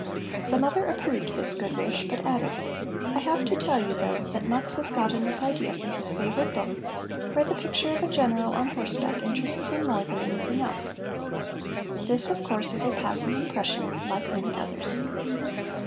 The mother approved this good wish, but added: "I have to tell you, though, that Mux has gotten this idea from his favorite book, where the picture of a general on horseback interests him more than anything else. This, of course, is a passing impression, like many others."